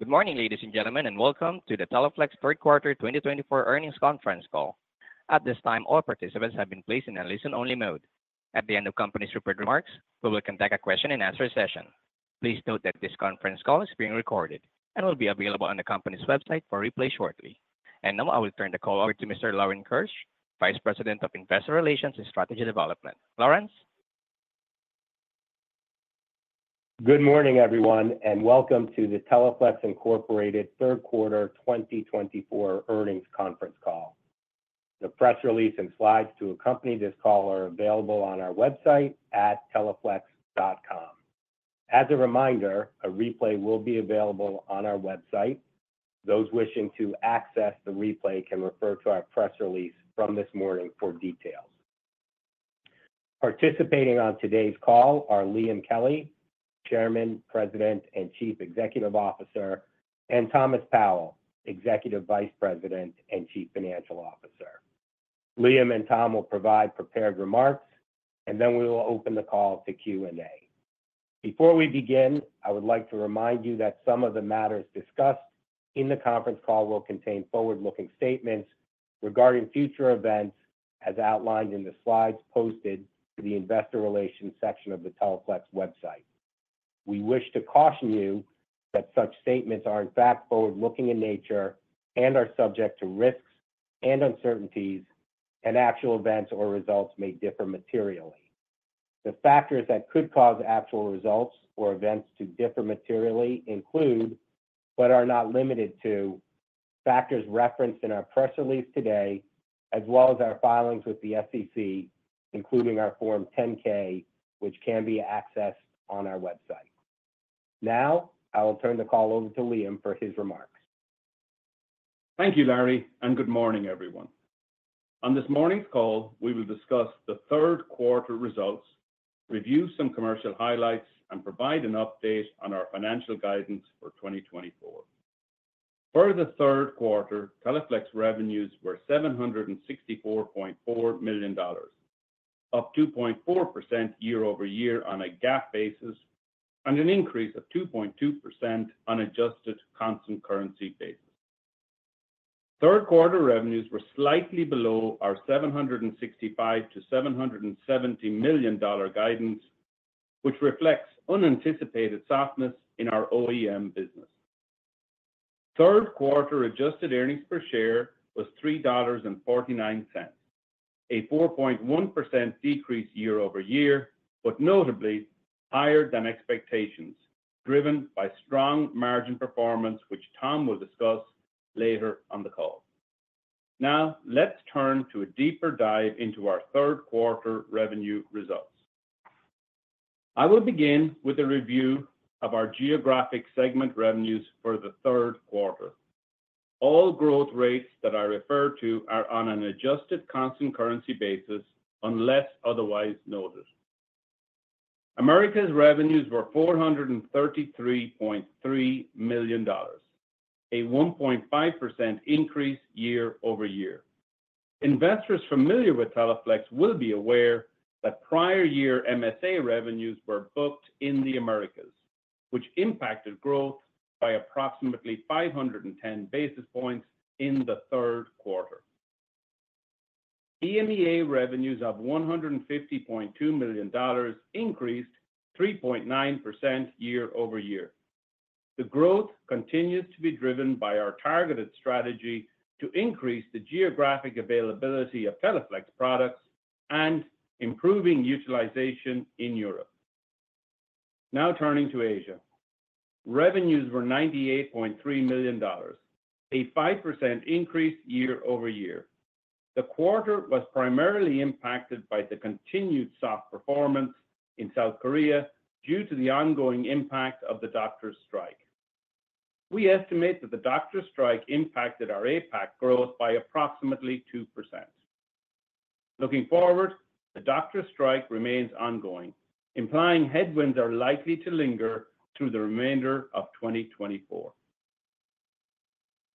Good morning, ladies and gentlemen, and welcome to the Teleflex Third Quarter 2024 earnings conference call. At this time, all participants have been placed in a listen-only mode. At the end of the company's report remarks, we will conduct a question-and-answer session. Please note that this conference call is being recorded and will be available on the company's website for replay shortly. And now I will turn the call over to Mr. Lawrence Keusch, Vice President of Investor Relations and Strategy Development. Lawrence. Good morning, everyone, and welcome to the Teleflex Incorporated Third Quarter 2024 earnings conference call. The press release and slides to accompany this call are available on our website at teleflex.com. As a reminder, a replay will be available on our website. Those wishing to access the replay can refer to our press release from this morning for details. Participating on today's call are Liam Kelly, Chairman, President, and Chief Executive Officer, and Thomas Powell, Executive Vice President and Chief Financial Officer. Liam and Tom will provide prepared remarks, and then we will open the call to Q&A. Before we begin, I would like to remind you that some of the matters discussed in the conference call will contain forward-looking statements regarding future events as outlined in the slides posted to the Investor Relations section of the Teleflex website. We wish to caution you that such statements are, in fact, forward-looking in nature and are subject to risks and uncertainties, and actual events or results may differ materially. The factors that could cause actual results or events to differ materially include, but are not limited to, factors referenced in our press release today, as well as our filings with the SEC, including our Form 10-K, which can be accessed on our website. Now I will turn the call over to Liam for his remarks. Thank you, Larry, and good morning, everyone. On this morning's call, we will discuss the third quarter results, review some commercial highlights, and provide an update on our financial guidance for 2024. For the third quarter, Teleflex revenues were $764.4 million, up 2.4% year-over-year on a GAAP basis and an increase of 2.2% on adjusted constant currency basis. Third quarter revenues were slightly below our $765-$770 million guidance, which reflects unanticipated softness in our OEM business. Third quarter adjusted earnings per share was $3.49, a 4.1% decrease year-over-year, but notably higher than expectations, driven by strong margin performance, which Tom will discuss later on the call. Now let's turn to a deeper dive into our third quarter revenue results. I will begin with a review of our geographic segment revenues for the third quarter. All growth rates that I refer to are on an adjusted constant currency basis unless otherwise noted. Americas revenues were $433.3 million, a 1.5% increase year-over-year. Investors familiar with Teleflex will be aware that prior year MSA revenues were booked in the Americas, which impacted growth by approximately 510 basis points in the third quarter. EMEA revenues of $150.2 million increased 3.9% year-over-year. The growth continues to be driven by our targeted strategy to increase the geographic availability of Teleflex products and improving utilization in Europe. Now turning to Asia, revenues were $98.3 million, a 5% increase year-over-year. The quarter was primarily impacted by the continued soft performance in South Korea due to the ongoing impact of the doctor's strike. We estimate that the doctor's strike impacted our APAC growth by approximately 2%. Looking forward, the doctor's strike remains ongoing, implying headwinds are likely to linger through the remainder of 2024.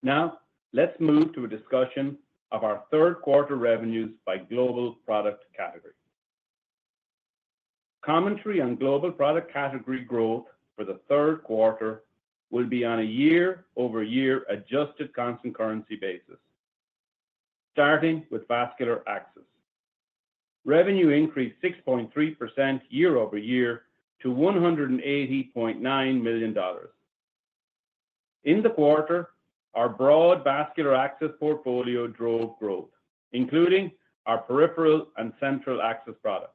Now let's move to a discussion of our third quarter revenues by global product category. Commentary on global product category growth for the third quarter will be on a year-over-year adjusted constant currency basis, starting with vascular access. Revenue increased 6.3% year-over-year to $180.9 million. In the quarter, our broad vascular access portfolio drove growth, including our peripheral and central access products.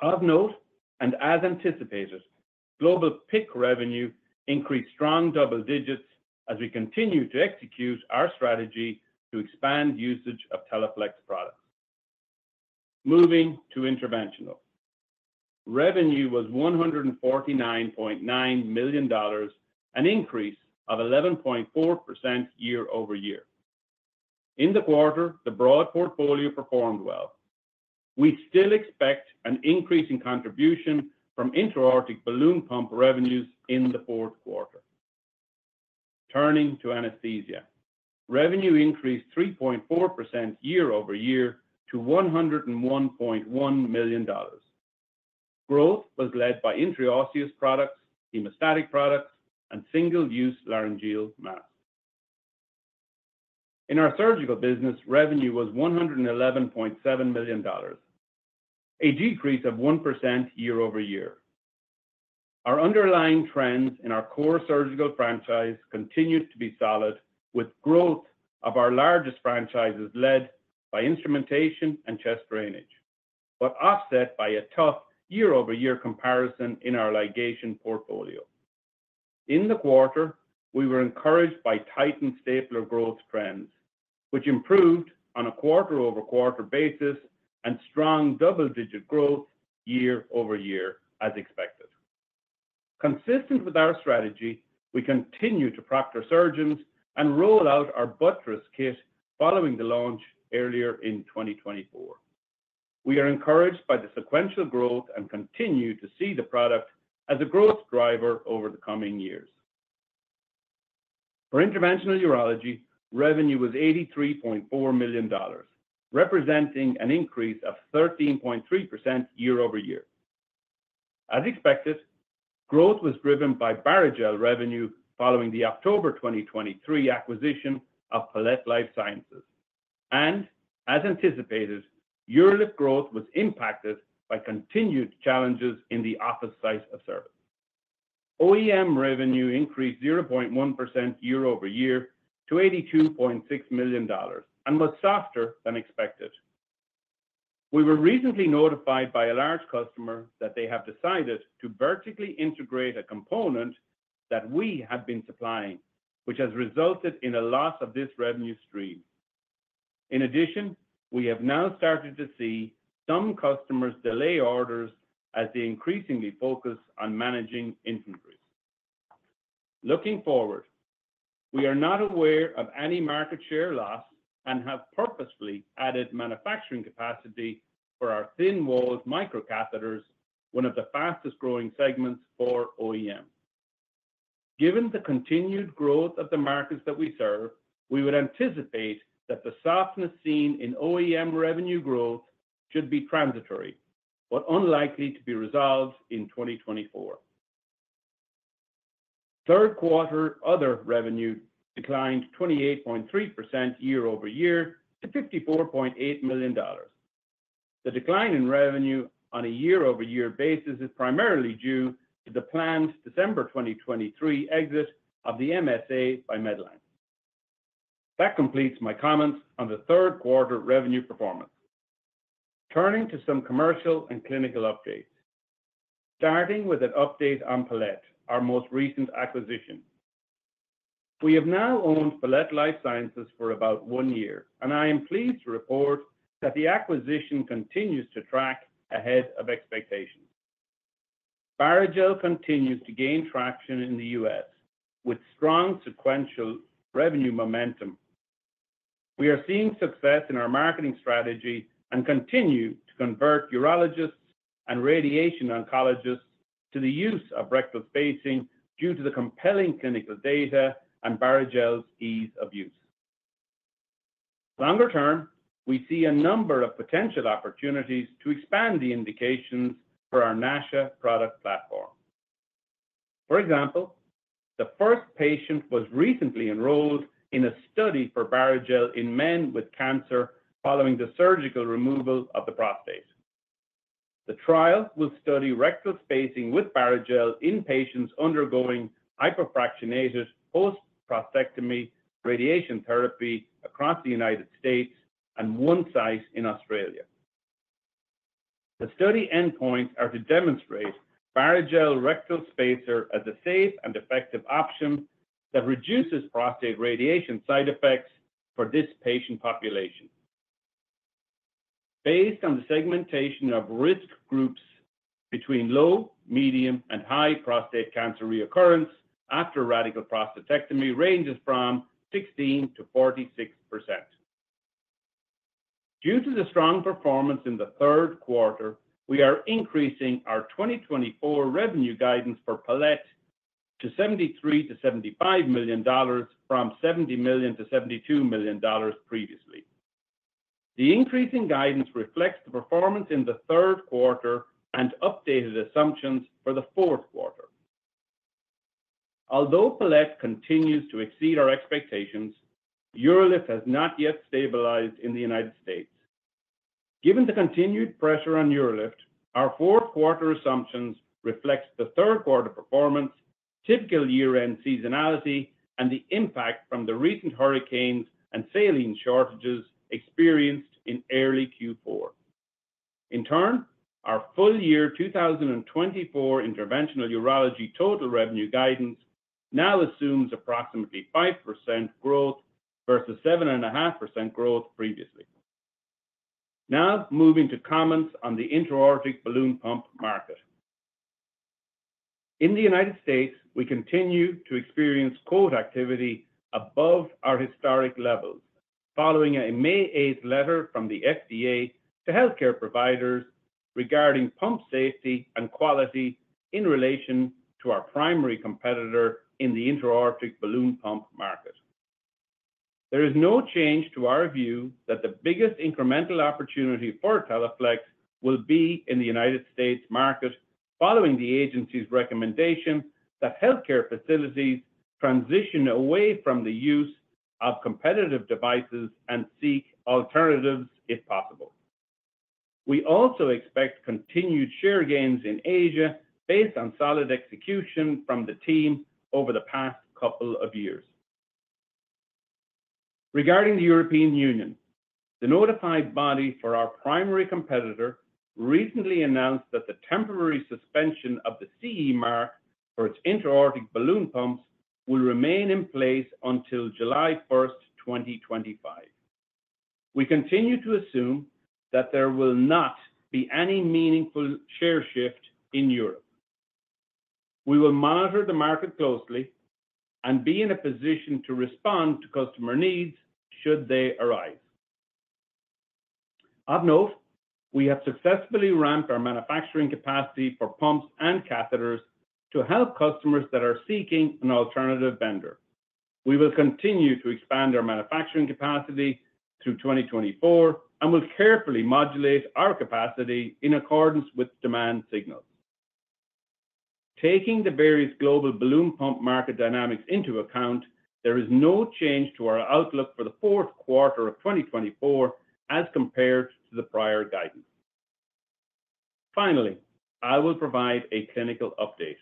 Of note, and as anticipated, global PIC revenue increased strong double digits as we continue to execute our strategy to expand usage of Teleflex products. Moving to interventional, revenue was $149.9 million, an increase of 11.4% year-over-year. In the quarter, the broad portfolio performed well. We still expect an increase in contribution from intra-aortic balloon pump revenues in the fourth quarter. Turning to anesthesia, revenue increased 3.4% year-over-year to $101.1 million. Growth was led by intraosseous products, hemostatic products, and single-use laryngeal masks. In our surgical business, revenue was $111.7 million, a decrease of 1% year-over-year. Our underlying trends in our core surgical franchise continued to be solid, with growth of our largest franchises led by instrumentation and chest drainage, but offset by a tough year-over-year comparison in our ligation portfolio. In the quarter, we were encouraged by Titan stapler growth trends, which improved on a quarter-over-quarter basis and strong double-digit growth year-over-year, as expected. Consistent with our strategy, we continue to proctor surgeons and roll out our buttress kit following the launch earlier in 2024. We are encouraged by the sequential growth and continue to see the product as a growth driver over the coming years. For interventional urology, revenue was $83.4 million, representing an increase of 13.3% year-over-year. As expected, growth was driven by Barrigel revenue following the October 2023 acquisition of Palette Life Sciences. As anticipated, UroLift growth was impacted by continued challenges in the office site of service. OEM revenue increased 0.1% year-over-year to $82.6 million and was softer than expected. We were recently notified by a large customer that they have decided to vertically integrate a component that we have been supplying, which has resulted in a loss of this revenue stream. In addition, we have now started to see some customers delay orders as they increasingly focus on managing inventories. Looking forward, we are not aware of any market share loss and have purposefully added manufacturing capacity for our thin-walled microcatheters, one of the fastest-growing segments for OEM. Given the continued growth of the markets that we serve, we would anticipate that the softness seen in OEM revenue growth should be transitory, but unlikely to be resolved in 2024. Third quarter other revenue declined 28.3% year-over-year to $54.8 million. The decline in revenue on a year-over-year basis is primarily due to the planned December 2023 exit of the MSA by Medline. That completes my comments on the third quarter revenue performance. Turning to some commercial and clinical updates, starting with an update on Palette, our most recent acquisition. We have now owned Palette Life Sciences for about one year, and I am pleased to report that the acquisition continues to track ahead of expectations. Barrigel continues to gain traction in the U.S. with strong sequential revenue momentum. We are seeing success in our marketing strategy and continue to convert urologists and radiation oncologists to the use of rectal spacing due to the compelling clinical data and Barrigel's ease of use. Longer term, we see a number of potential opportunities to expand the indications for our NASHA product platform. For example, the first patient was recently enrolled in a study for Barrigel in men with cancer following the surgical removal of the prostate. The trial will study rectal spacing with Barrigel in patients undergoing hyperfractionated post-prostatectomy radiation therapy across the United States and one site in Australia. The study endpoints are to demonstrate Barrigel rectal spacer as a safe and effective option that reduces prostate radiation side effects for this patient population. Based on the segmentation of risk groups between low, medium, and high prostate cancer reoccurrence after radical prostatectomy ranges from 16% to 46%. Due to the strong performance in the third quarter, we are increasing our 2024 revenue guidance for Palette to $73-$75 million from $70-$72 million previously. The increasing guidance reflects the performance in the third quarter and updated assumptions for the fourth quarter. Although Palette continues to exceed our expectations, UroLift has not yet stabilized in the United States. Given the continued pressure on UroLift, our fourth quarter assumptions reflect the third quarter performance, typical year-end seasonality, and the impact from the recent hurricanes and saline shortages experienced in early Q4. In turn, our full year 2024 interventional urology total revenue guidance now assumes approximately 5% growth versus 7.5% growth previously. Now moving to comments on the intra-aortic balloon pump market. In the United States, we continue to experience code activity above our historic levels, following a May 8th letter from the FDA to healthcare providers regarding pump safety and quality in relation to our primary competitor in the intra-aortic balloon pump market. There is no change to our view that the biggest incremental opportunity for Teleflex will be in the United States market, following the agency's recommendation that healthcare facilities transition away from the use of competitive devices and seek alternatives if possible. We also expect continued share gains in Asia based on solid execution from the team over the past couple of years. Regarding the European Union, the notified body for our primary competitor recently announced that the temporary suspension of the CE mark for its intra-aortic balloon pumps will remain in place until July 1st, 2025. We continue to assume that there will not be any meaningful share shift in Europe. We will monitor the market closely and be in a position to respond to customer needs should they arise. Of note, we have successfully ramped our manufacturing capacity for pumps and catheters to help customers that are seeking an alternative vendor. We will continue to expand our manufacturing capacity through 2024 and will carefully modulate our capacity in accordance with demand signals. Taking the various global balloon pump market dynamics into account, there is no change to our outlook for the fourth quarter of 2024 as compared to the prior guidance. Finally, I will provide a clinical update.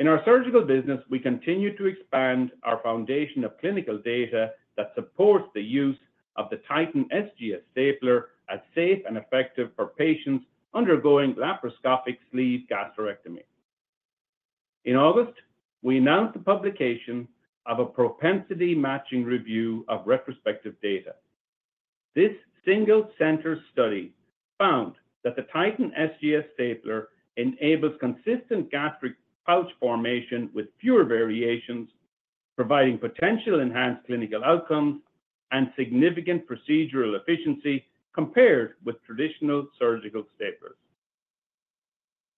In our surgical business, we continue to expand our foundation of clinical data that supports the use of the Titan SGS stapler as safe and effective for patients undergoing laparoscopic sleeve gastrectomy. In August, we announced the publication of a propensity matching review of retrospective data. This single-center study found that the Titan SGS stapler enables consistent gastric pouch formation with fewer variations, providing potential enhanced clinical outcomes and significant procedural efficiency compared with traditional surgical staples.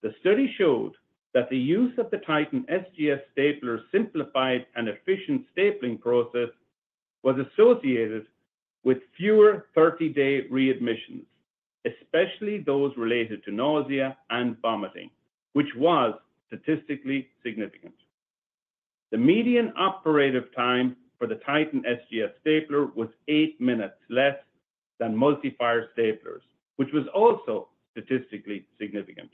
The study showed that the use of the Titan SGS stapler simplified an efficient stapling process was associated with fewer 30-day readmissions, especially those related to nausea and vomiting, which was statistically significant. The median operative time for the Titan SGS stapler was eight minutes less than multi-fire staplers, which was also statistically significant.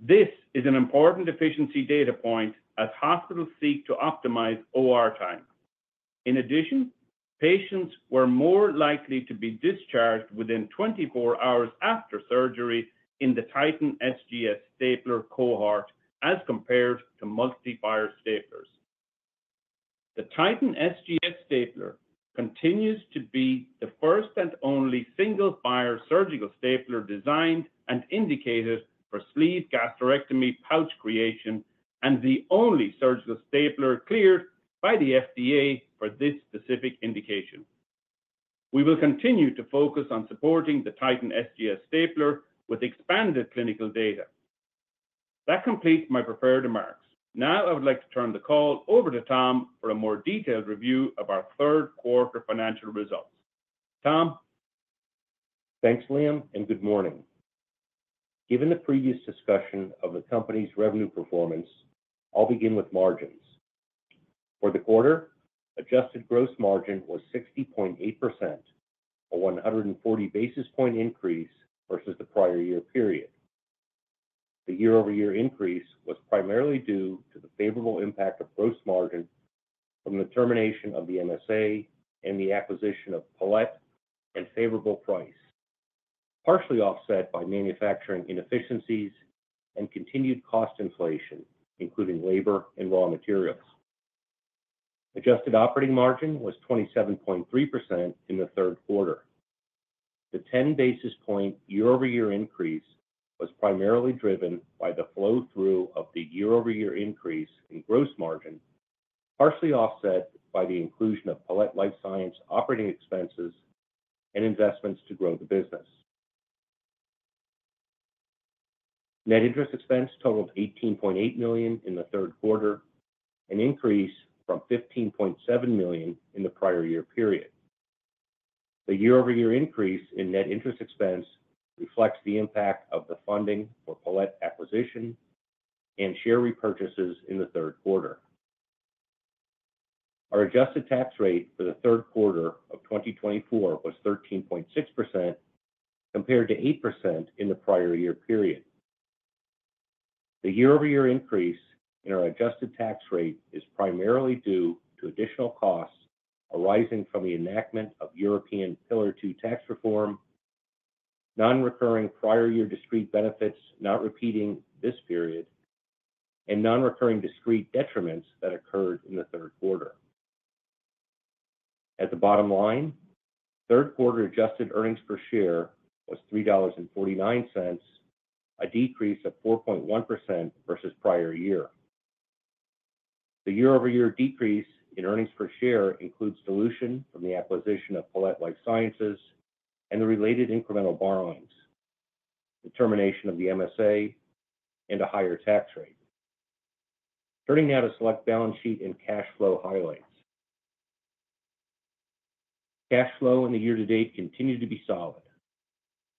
This is an important efficiency data point as hospitals seek to optimize OR time. In addition, patients were more likely to be discharged within 24 hours after surgery in the Titan SGS stapler cohort as compared to multi-fire staplers. The Titan SGS stapler continues to be the first and only single-fire surgical stapler designed and indicated for sleeve gastrectomy pouch creation and the only surgical stapler cleared by the FDA for this specific indication. We will continue to focus on supporting the Titan SGS stapler with expanded clinical data. That completes my prepared remarks. Now I would like to turn the call over to Tom for a more detailed review of our third quarter financial results. Tom. Thanks, Liam, and good morning. Given the previous discussion of the company's revenue performance, I'll begin with margins. For the quarter, adjusted gross margin was 60.8%, a 140 basis points increase versus the prior year period. The year-over-year increase was primarily due to the favorable impact of gross margin from the termination of the MSA and the acquisition of Palette Life Sciences and favorable price, partially offset by manufacturing inefficiencies and continued cost inflation, including labor and raw materials. Adjusted operating margin was 27.3% in the third quarter. The 10 basis point year-over-year increase was primarily driven by the flow-through of the year-over-year increase in gross margin, partially offset by the inclusion of Palette Life Sciences operating expenses and investments to grow the business. Net interest expense totaled $18.8 million in the third quarter, an increase from $15.7 million in the prior year period. The year-over-year increase in net interest expense reflects the impact of the funding for Palette Life Sciences acquisition and share repurchases in the third quarter. Our adjusted tax rate for the third quarter of 2024 was 13.6%, compared to 8% in the prior year period. The year-over-year increase in our adjusted tax rate is primarily due to additional costs arising from the enactment of European Pillar Two tax reform, non-recurring prior year discrete benefits not repeating this period, and non-recurring discrete detriments that occurred in the third quarter. At the bottom line, third quarter adjusted earnings per share was $3.49, a decrease of 4.1% versus prior year. The year-over-year decrease in earnings per share includes dilution from the acquisition of Palette Life Sciences and the related incremental borrowings, the termination of the MSA, and a higher tax rate. Turning now to select balance sheet and cash flow highlights. Cash flow in the year-to-date continued to be solid.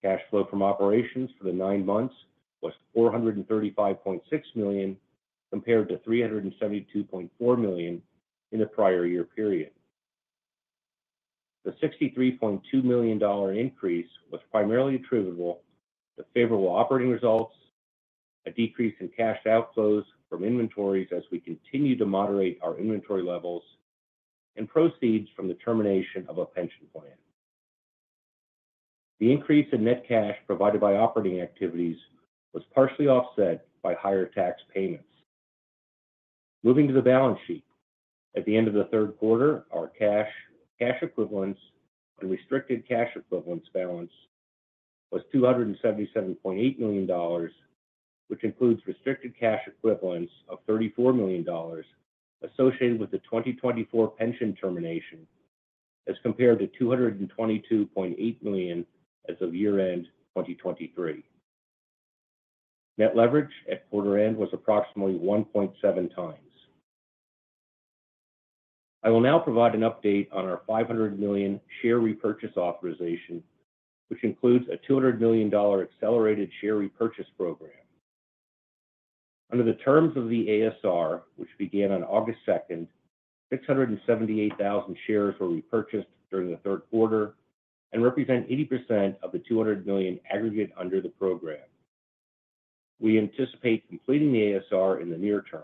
Cash flow from operations for the nine months was $435.6 million, compared to $372.4 million in the prior year period. The $63.2 million increase was primarily attributable to favorable operating results, a decrease in cash outflows from inventories as we continue to moderate our inventory levels, and proceeds from the termination of a pension plan. The increase in net cash provided by operating activities was partially offset by higher tax payments. Moving to the balance sheet, at the end of the third quarter, our cash equivalents and restricted cash equivalents balance was $277.8 million, which includes restricted cash equivalents of $34 million associated with the 2024 pension termination, as compared to $222.8 million as of year-end 2023. Net leverage at quarter-end was approximately 1.7 times. I will now provide an update on our $500 million share repurchase authorization, which includes a $200 million accelerated share repurchase program. Under the terms of the ASR, which began on August 2nd, 678,000 shares were repurchased during the third quarter and represent 80% of the $200 million aggregate under the program. We anticipate completing the ASR in the near term.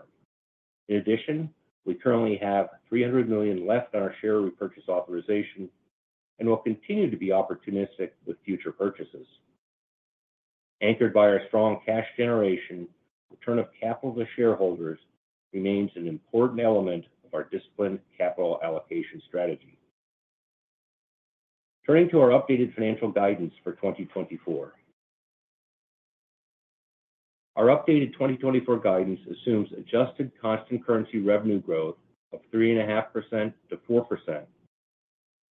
In addition, we currently have $300 million left on our share repurchase authorization and will continue to be opportunistic with future purchases. Anchored by our strong cash generation, the return of capital to shareholders remains an important element of our disciplined capital allocation strategy. Turning to our updated financial guidance for 2024. Our updated 2024 guidance assumes adjusted constant currency revenue growth of 3.5%-4%,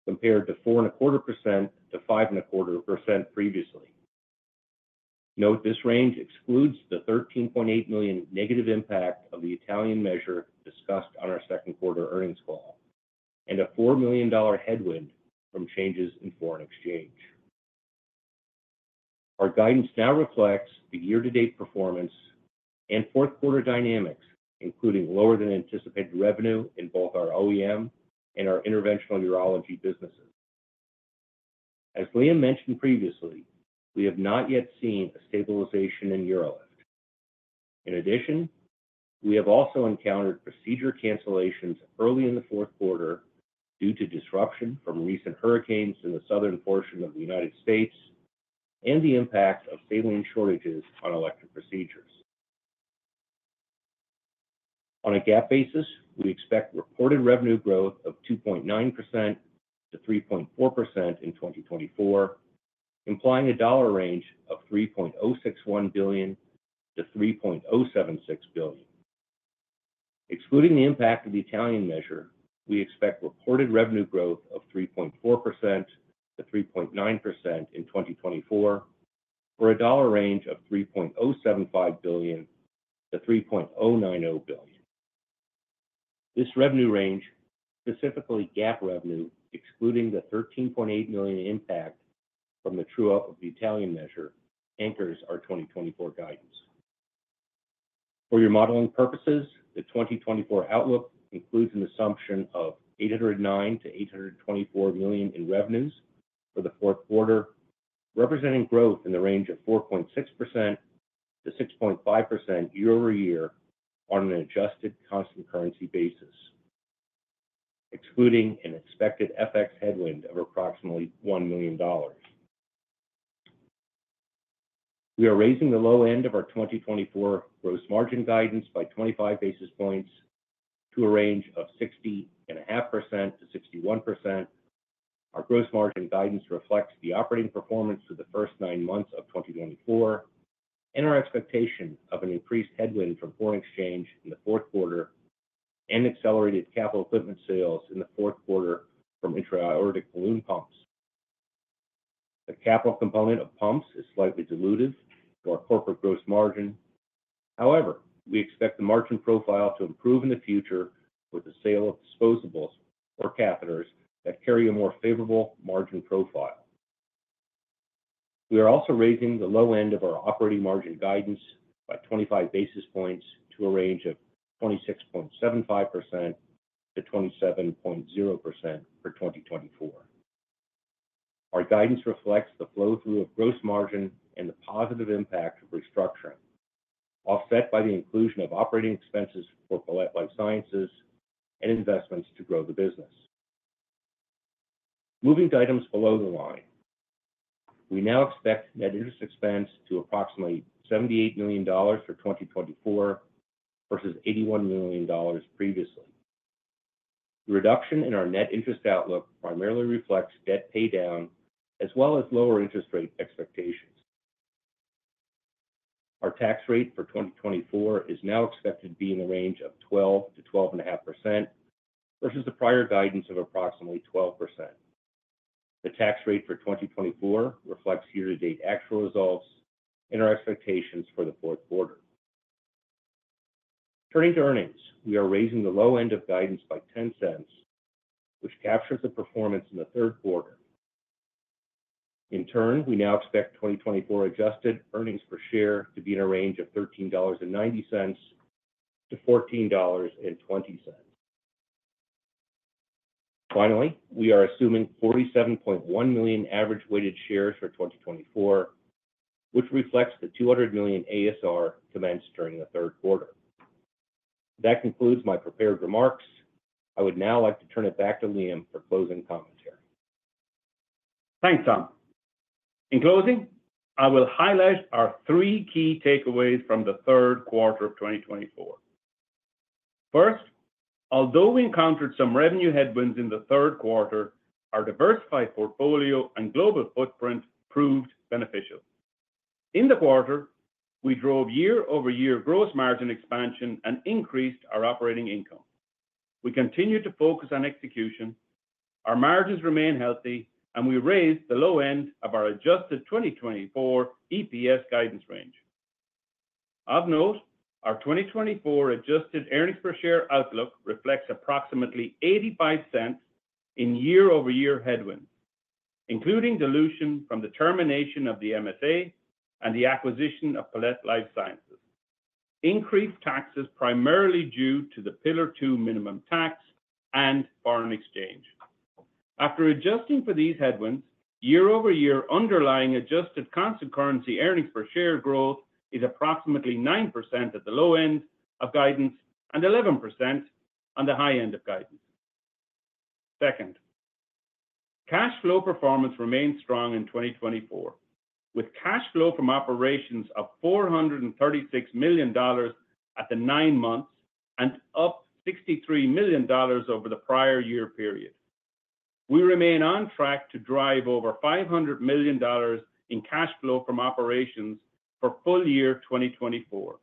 compared to 4.25%-5.25% previously. Note this range excludes the $13.8 million negative impact of the Italian measure discussed on our second quarter earnings call and a $4 million headwind from changes in foreign exchange. Our guidance now reflects the year-to-date performance and fourth quarter dynamics, including lower-than-anticipated revenue in both our OEM and our interventional urology businesses. As Liam mentioned previously, we have not yet seen a stabilization in UroLift. In addition, we have also encountered procedure cancellations early in the fourth quarter due to disruption from recent hurricanes in the southern portion of the United States and the impact of saline shortages on elective procedures. On a GAAP basis, we expect reported revenue growth of 2.9%-3.4% in 2024, implying a dollar range of $3.061 billion-$3.076 billion. Excluding the impact of the Italian measure, we expect reported revenue growth of 3.4%-3.9% in 2024, for a dollar range of $3.075 billion-$3.090 billion. This revenue range, specifically GAAP revenue, excluding the $13.8 million impact from the true-up of the Italian measure, anchors our 2024 guidance. For your modeling purposes, the 2024 outlook includes an assumption of $809-$824 million in revenues for the fourth quarter, representing growth in the range of 4.6%-6.5% year-over-year on an adjusted constant currency basis, excluding an expected FX headwind of approximately $1 million. We are raising the low end of our 2024 gross margin guidance by 25 basis points to a range of 60.5%-61%. Our gross margin guidance reflects the operating performance for the first nine months of 2024 and our expectation of an increased headwind from foreign exchange in the fourth quarter and accelerated capital equipment sales in the fourth quarter from intra-aortic balloon pumps. The capital component of pumps is slightly diluted to our corporate gross margin. However, we expect the margin profile to improve in the future with the sale of disposables or catheters that carry a more favorable margin profile. We are also raising the low end of our operating margin guidance by 25 basis points to a range of 26.75%-27.0% for 2024. Our guidance reflects the flow-through of gross margin and the positive impact of restructuring, offset by the inclusion of operating expenses for Palette Life Sciences and investments to grow the business. Moving to items below the line, we now expect net interest expense to approximately $78 million for 2024 versus $81 million previously. The reduction in our net interest outlook primarily reflects debt paydown as well as lower interest rate expectations. Our tax rate for 2024 is now expected to be in the range of 12%-12.5% versus the prior guidance of approximately 12%. The tax rate for 2024 reflects year-to-date actual results and our expectations for the fourth quarter. Turning to earnings, we are raising the low end of guidance by $0.10, which captures the performance in the third quarter. In turn, we now expect 2024 adjusted earnings per share to be in a range of $13.90-$14.20. Finally, we are assuming 47.1 million average weighted shares for 2024, which reflects the $200 million ASR commenced during the third quarter. That concludes my prepared remarks. I would now like to turn it back to Liam for closing commentary. Thanks, Tom. In closing, I will highlight our three key takeaways from the third quarter of 2024. First, although we encountered some revenue headwinds in the third quarter, our diversified portfolio and global footprint proved beneficial. In the quarter, we drove year-over-year gross margin expansion and increased our operating income. We continued to focus on execution. Our margins remain healthy, and we raised the low end of our adjusted 2024 EPS guidance range. Of note, our 2024 adjusted earnings per share outlook reflects approximately $0.85 in year-over-year headwinds, including dilution from the termination of the MSA and the acquisition of Palette Life Sciences, increased taxes primarily due to the Pillar Two minimum tax, and foreign exchange. After adjusting for these headwinds, year-over-year underlying adjusted constant currency earnings per share growth is approximately 9% at the low end of guidance and 11% on the high end of guidance. Second, cash flow performance remains strong in 2024, with cash flow from operations of $436 million at the nine months and up $63 million over the prior year period. We remain on track to drive over $500 million in cash flow from operations for full year 2024.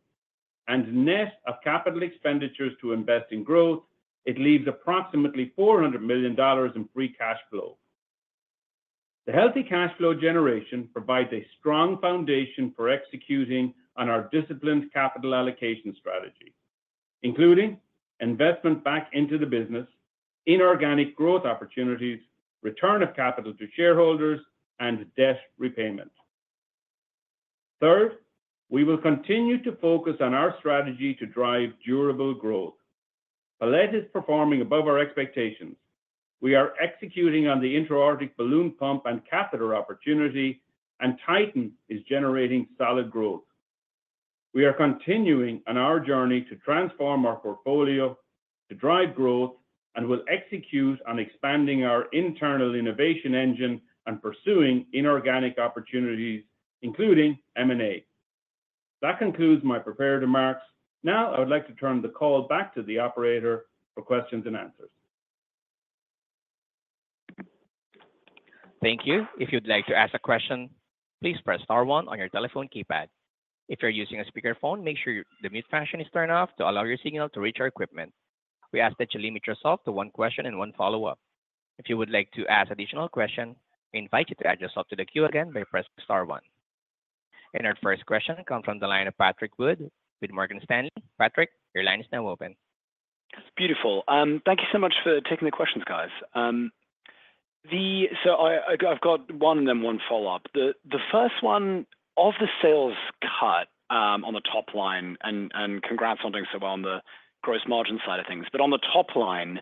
Net of capital expenditures to invest in growth, it leaves approximately $400 million in free cash flow. The healthy cash flow generation provides a strong foundation for executing on our disciplined capital allocation strategy, including investment back into the business, inorganic growth opportunities, return of capital to shareholders, and debt repayment. Third, we will continue to focus on our strategy to drive durable growth. Palette is performing above our expectations. We are executing on the intra-aortic balloon pump and catheter opportunity, and Titan is generating solid growth. We are continuing on our journey to transform our portfolio, to drive growth, and will execute on expanding our internal innovation engine and pursuing inorganic opportunities, including M&A. That concludes my prepared remarks. Now, I would like to turn the call back to the operator for questions and answers. Thank you. If you'd like to ask a question, please press Star 1 on your telephone keypad. If you're using a speakerphone, make sure the mute function is turned off to allow your signal to reach our equipment. We ask that you limit yourself to one question and one follow-up. If you would like to ask an additional question, we invite you to add yourself to the queue again by pressing Star 1. And our first question comes from the line of Patrick Wood with Morgan Stanley. Patrick, your line is now open. Beautiful. Thank you so much for taking the questions, guys. So I've got one and then one follow-up. The first one of the sales cut on the top line, and congrats on doing so well on the gross margin side of things, but on the top line,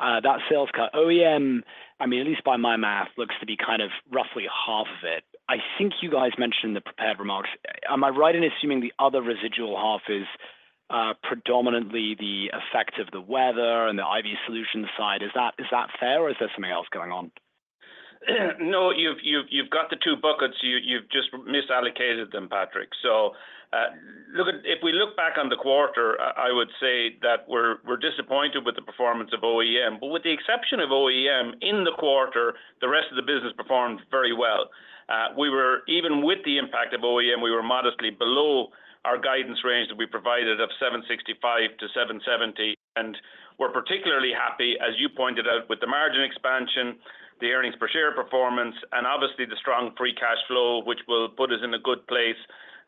that sales cut, OEM, I mean, at least by my math, looks to be kind of roughly half of it. I think you guys mentioned in the prepared remarks. Am I right in assuming the other residual half is predominantly the effect of the weather and the IV solution side? Is that fair, or is there something else going on? No, you've got the two buckets. You've just misallocated them, Patrick. So if we look back on the quarter, I would say that we're disappointed with the performance of OEM. But with the exception of OEM, in the quarter, the rest of the business performed very well. Even with the impact of OEM, we were modestly below our guidance range that we provided of $765-$770. And we're particularly happy, as you pointed out, with the margin expansion, the earnings per share performance, and obviously the strong free cash flow, which will put us in a good place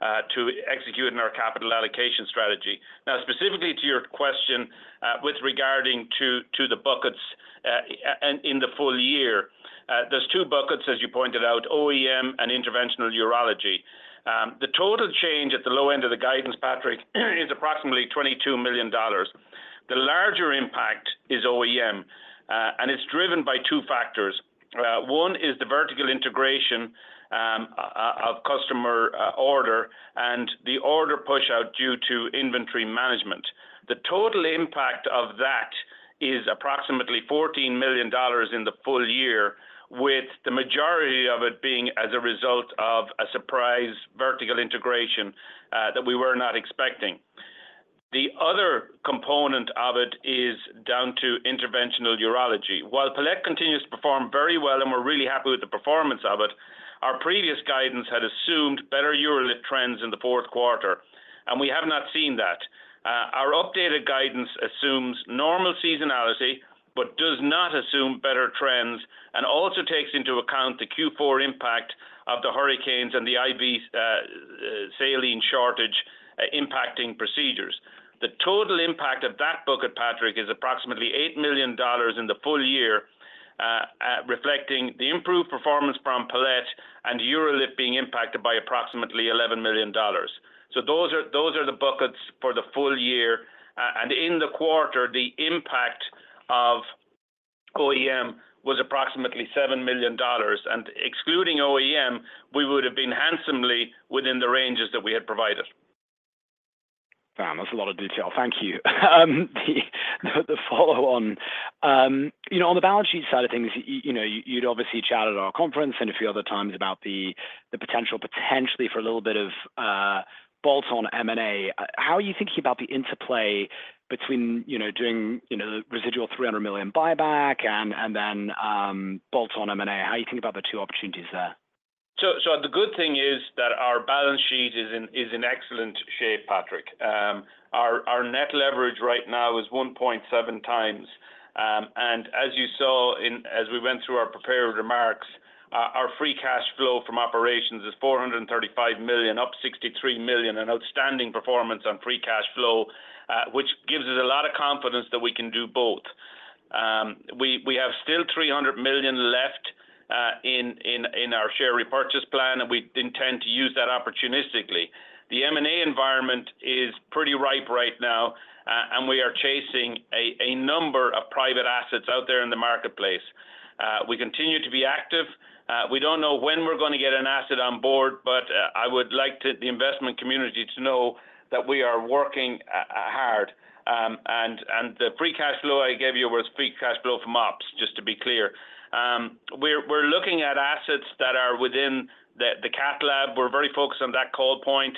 to execute on our capital allocation strategy. Now, specifically to your question with regard to the buckets in the full year, there's two buckets, as you pointed out, OEM and interventional urology. The total change at the low end of the guidance, Patrick, is approximately $22 million. The larger impact is OEM, and it's driven by two factors. One is the vertical integration of customer order and the order push-out due to inventory management. The total impact of that is approximately $14 million in the full year, with the majority of it being as a result of a surprise vertical integration that we were not expecting. The other component of it is down to interventional urology. While Palette continues to perform very well and we're really happy with the performance of it, our previous guidance had assumed better UroLift trends in the fourth quarter, and we have not seen that. Our updated guidance assumes normal seasonality but does not assume better trends and also takes into account the Q4 impact of the hurricanes and the IV saline shortage impacting procedures. The total impact of that bucket, Patrick, is approximately $8 million in the full year, reflecting the improved performance from Palette and UroLift being impacted by approximately $11 million, so those are the buckets for the full year. In the quarter, the impact of OEM was approximately $7 million. Excluding OEM, we would have been handsomely within the ranges that we had provided. That's a lot of detail. Thank you. The follow-on. On the balance sheet side of things, you'd obviously chatted at our conference and a few other times about the potential potentially for a little bit of bolt-on M&A. How are you thinking about the interplay between doing the residual $300 million buyback and then bolt-on M&A? How do you think about the two opportunities there? The good thing is that our balance sheet is in excellent shape, Patrick. Our net leverage right now is 1.7 times. As you saw as we went through our prepared remarks, our free cash flow from operations is $435 million, up $63 million, an outstanding performance on free cash flow, which gives us a lot of confidence that we can do both. We have still $300 million left in our share repurchase plan, and we intend to use that opportunistically. The M&A environment is pretty ripe right now, and we are chasing a number of private assets out there in the marketplace. We continue to be active. We don't know when we're going to get an asset on board, but I would like the investment community to know that we are working hard. The free cash flow I gave you was free cash flow from ops, just to be clear. We're looking at assets that are within the catalog. We're very focused on that call point,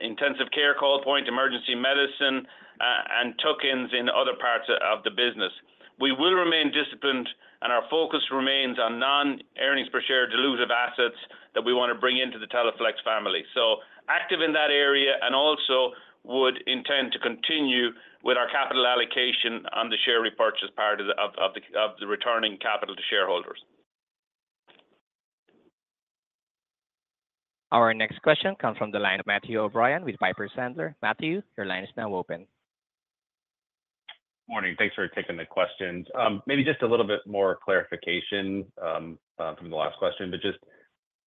intensive care call point, emergency medicine, and tokens in other parts of the business. We will remain disciplined, and our focus remains on non-earnings per share dilutive assets that we want to bring into the Teleflex family. So active in that area and also would intend to continue with our capital allocation on the share repurchase part of the returning capital to shareholders. Our next question comes from the line of Matthew O'Brien with Piper Sandler. Matthew, your line is now open.. Morning. Thanks for taking the questions. Maybe just a little bit more clarification from the last question, but just,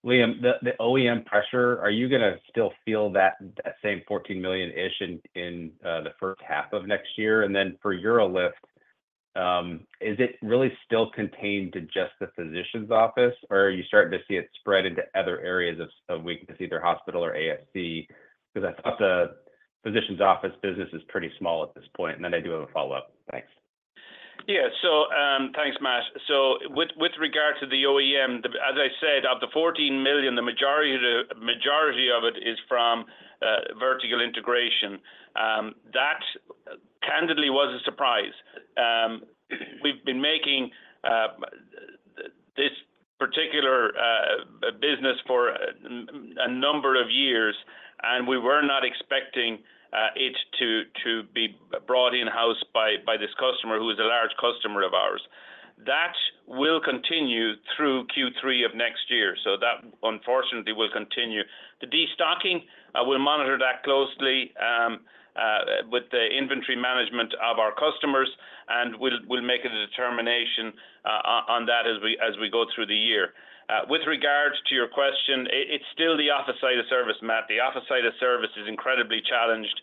Liam, the OEM pressure, are you going to still feel that same $14 million-ish in the first half of next year? And then for UroLift, is it really still contained to just the physician's office, or are you starting to see it spread into other areas of weakness, either hospital or ASC? Because I thought the physician's office business is pretty small at this point. And then I do have a follow-up. Thanks. Yeah. So thanks, Matt. So with regard to the OEM, as I said, of the $14 million, the majority of it is from vertical integration. That candidly was a surprise. We've been making this particular business for a number of years, and we were not expecting it to be brought in-house by this customer who is a large customer of ours. That will continue through Q3 of next year. So that, unfortunately, will continue. The destocking, we'll monitor that closely with the inventory management of our customers, and we'll make a determination on that as we go through the year. With regard to your question, it's still the office side of service, Matt. The office side of service is incredibly challenged.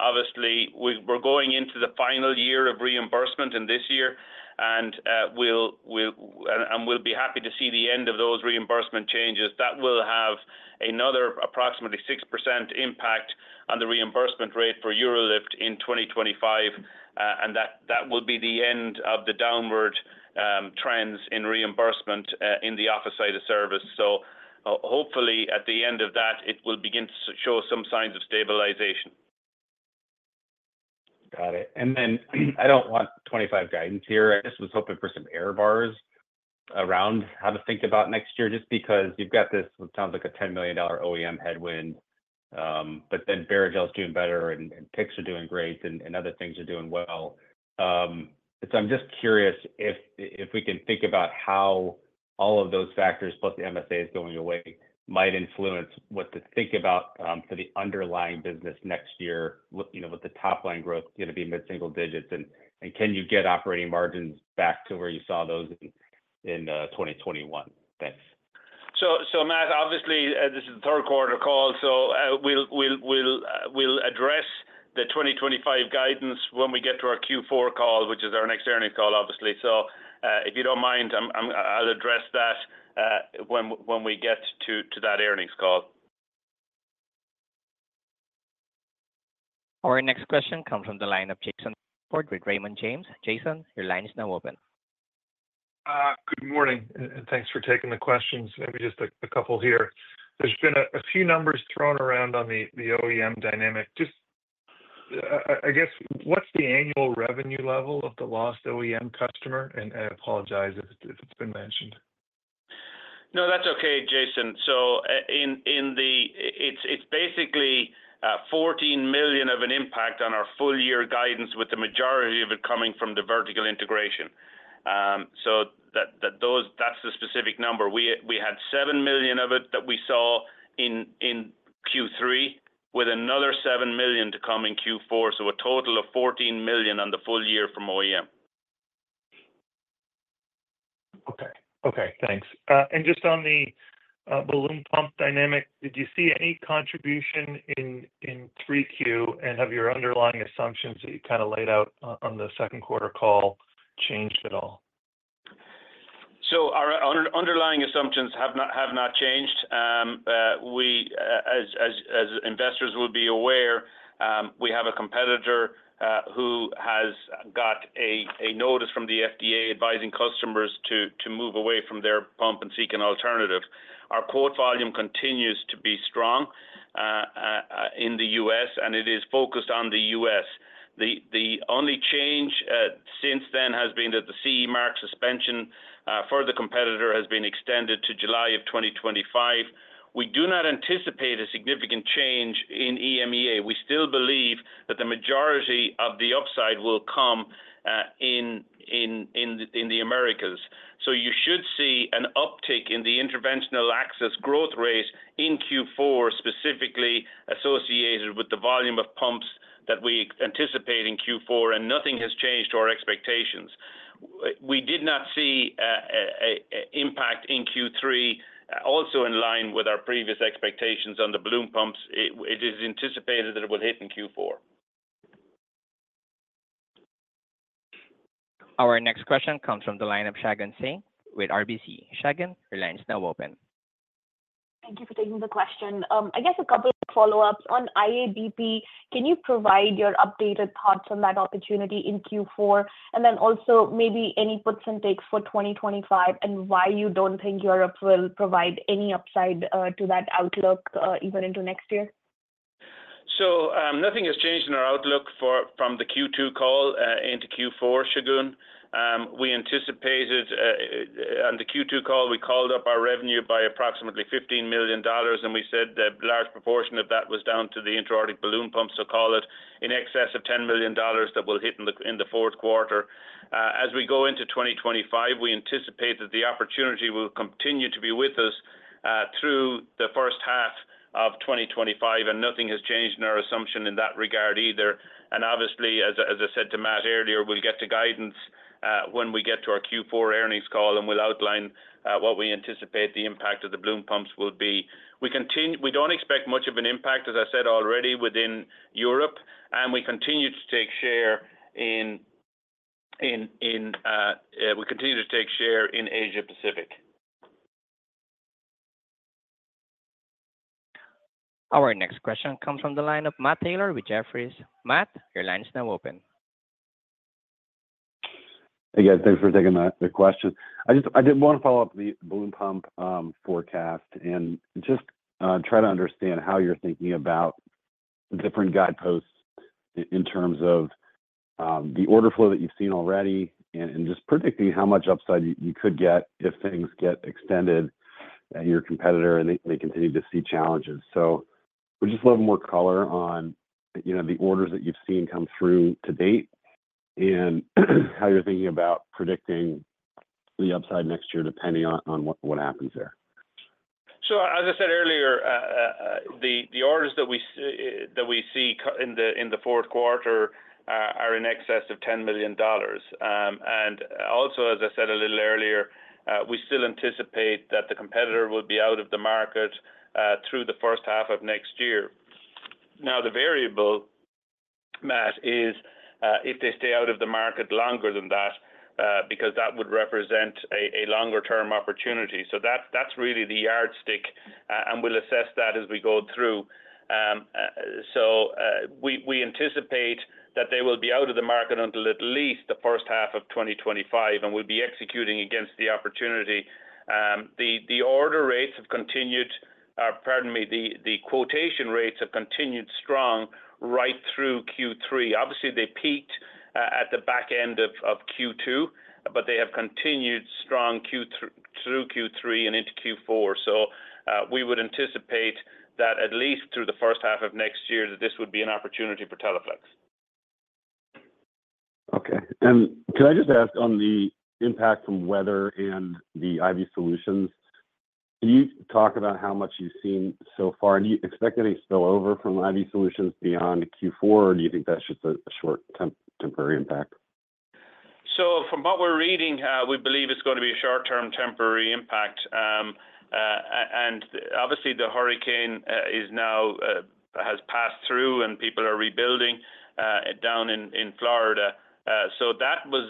Obviously, we're going into the final year of reimbursement in this year, and we'll be happy to see the end of those reimbursement changes. That will have another approximately 6% impact on the reimbursement rate for UroLift in 2025. And that will be the end of the downward trends in reimbursement in the office side of service. So hopefully, at the end of that, it will begin to show some signs of stabilization. Got it. And then I don't want 2025 guidance here. I just was hoping for some error bars around how to think about next year just because you've got this, what sounds like a $10 million OEM headwind, but then Barrigel's doing better and PICC's are doing great and other things are doing well. So I'm just curious if we can think about how all of those factors plus the MSAs going away might influence what to think about for the underlying business next year with the top-line growth going to be mid-single digits. And can you get operating margins back to where you saw those in 2021? Thanks. So, Matt, obviously, this is the third quarter call. So we'll address the 2025 guidance when we get to our Q4 call, which is our next earnings call, obviously. So if you don't mind, I'll address that when we get to that earnings call. Our next question comes from the line of Jayson Bedford with Raymond James. Jayson, your line is now open. Good morning. Thanks for taking the questions. Maybe just a couple here. There's been a few numbers thrown around on the OEM dynamic. I guess, what's the annual revenue level of the lost OEM customer? And I apologize if it's been mentioned. No, that's okay, Jayson. So it's basically $14 million of an impact on our full-year guidance with the majority of it coming from the vertical integration. So that's the specific number. We had $7 million of it that we saw in Q3 with another $7 million to come in Q4. So a total of $14 million on the full year from OEM. Okay. Okay. Thanks. And just on the balloon pump dynamic, did you see any contribution in 3Q? Have your underlying assumptions that you kind of laid out on the second quarter call changed at all? So our underlying assumptions have not changed. As investors will be aware, we have a competitor who has got a notice from the FDA advising customers to move away from their pump and seek an alternative. Our quote volume continues to be strong in the U.S., and it is focused on the U.S. The only change since then has been that the CE mark suspension for the competitor has been extended to July of 2025. We do not anticipate a significant change in EMEA. We still believe that the majority of the upside will come in the Americas. So you should see an uptick in the interventional access growth rate in Q4, specifically associated with the volume of pumps that we anticipate in Q4, and nothing has changed to our expectations. We did not see an impact in Q3, also in line with our previous expectations on the balloon pumps. It is anticipated that it will hit in Q4. Our next question comes from the line of Shagun Singh with RBC. Shagun, your line is now open. Thank you for taking the question. I guess a couple of follow-ups. On IABP, can you provide your updated thoughts on that opportunity in Q4? And then also maybe any puts and takes for 2025 and why you don't think Europe will provide any upside to that outlook even into next year? So nothing has changed in our outlook from the Q2 call into Q4, Shagun. We anticipated on the Q2 call, we called up our revenue by approximately $15 million, and we said that a large proportion of that was down to the intra-aortic balloon pumps, so call it in excess of $10 million that will hit in the fourth quarter. As we go into 2025, we anticipate that the opportunity will continue to be with us through the first half of 2025, and nothing has changed in our assumption in that regard either. Obviously, as I said to Matt earlier, we'll get to guidance when we get to our Q4 earnings call, and we'll outline what we anticipate the impact of the balloon pumps will be. We don't expect much of an impact, as I said already, within Europe, and we continue to take share in Asia-Pacific. Our next question comes from the line of Matt Taylor with Jefferies. Matt, your line is now open. Again, thanks for taking the question. I did want to follow up the balloon pump forecast and just try to understand how you're thinking about different guideposts in terms of the order flow that you've seen already and just predicting how much upside you could get if things get extended at your competitor and they continue to see challenges. So we just love more color on the orders that you've seen come through to date and how you're thinking about predicting the upside next year depending on what happens there. So as I said earlier, the orders that we see in the fourth quarter are in excess of $10 million. And also, as I said a little earlier, we still anticipate that the competitor will be out of the market through the first half of next year. Now, the variable, Matt, is if they stay out of the market longer than that because that would represent a longer-term opportunity. So that's really the yardstick, and we'll assess that as we go through. So we anticipate that they will be out of the market until at least the first half of 2025, and we'll be executing against the opportunity. The order rates have continued, pardon me, the quotation rates have continued strong right through Q3. Obviously, they peaked at the back end of Q2, but they have continued strong through Q3 and into Q4. So we would anticipate that at least through the first half of next year that this would be an opportunity for Teleflex. Okay. Can I just ask on the impact from weather and the IV Solutions? Can you talk about how much you've seen so far? Do you expect any spillover from IV Solutions beyond Q4, or do you think that's just a short-term temporary impact? From what we're reading, we believe it's going to be a short-term temporary impact. And obviously, the hurricane has passed through, and people are rebuilding down in Florida. That was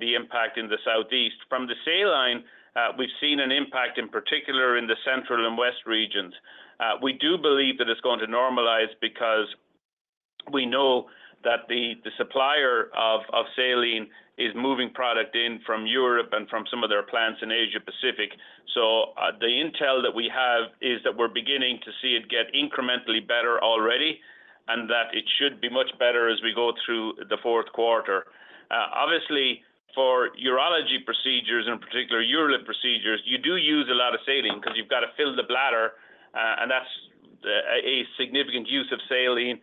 the impact in the southeast. From the saline, we've seen an impact in particular in the central and west regions. We do believe that it's going to normalize because we know that the supplier of saline is moving product in from Europe and from some of their plants in Asia-Pacific. So the intel that we have is that we're beginning to see it get incrementally better already and that it should be much better as we go through the fourth quarter. Obviously, for urology procedures, in particular UroLift procedures, you do use a lot of saline because you've got to fill the bladder, and that's a significant use of saline